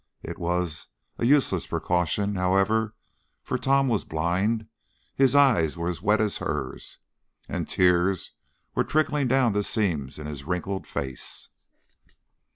It was a useless precaution, however, for Tom was blind, his eyes were as wet as hers, and tears were trickling down the seams in his wrinkled face.